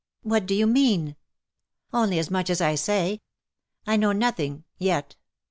" What do you mean ?"*' Only as much as I say. I know nothing — yet.'